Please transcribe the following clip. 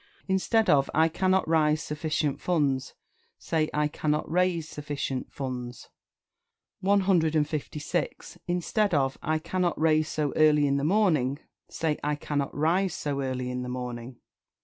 Instead of "I cannot rise sufficient funds," say "I cannot raise sufficient funds." 156. Instead of "I cannot raise so early in the morning," say "I cannot rise so early in the morning."